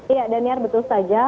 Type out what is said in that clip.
iya daniar betul saja